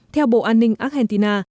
theo bộ an ninh argentina